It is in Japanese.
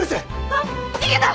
あっ逃げた！